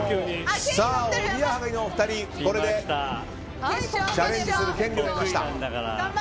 さあ、おぎやはぎのお二人これでチャレンジする権利を得ました。